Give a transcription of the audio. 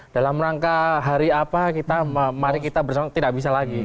dalam rangka hari apa mari kita bersama tidak bisa lagi